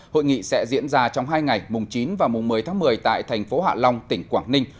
hội nghị sẽ diễn ra trong hai ngày mùng chín và mùng một mươi tháng một mươi tại thành phố hạ long tỉnh quảng ninh